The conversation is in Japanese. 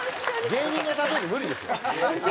芸人で例えるの無理ですよ。